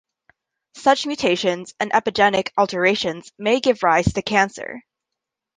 Such mutations and epigenetic alterations may give rise to cancer.